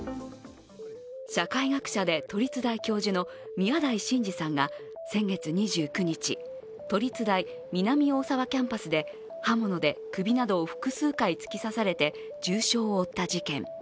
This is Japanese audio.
社会学者で都立大教授の宮台真司さんが先月２９日、都立大南大沢キャンパスで刃物で首などを複数回突き刺されて重傷を負った事件。